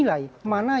memiliki kesempatan ya